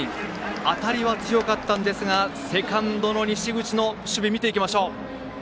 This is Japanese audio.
当たりは強かったんですがセカンドの西口の守備を見ましょう。